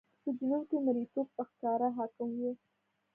په جنوب کې مریتوب په ښکاره حاکم و.